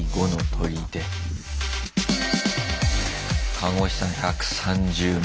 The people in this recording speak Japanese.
看護師さん１３０名。